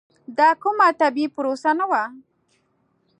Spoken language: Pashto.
دا کومه طبیعي پروسه نه وه.